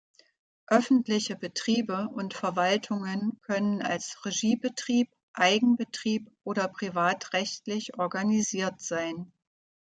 Öffentliche Betriebe und Verwaltungen können als Regiebetrieb, Eigenbetrieb oder privatrechtlich organisiert sein.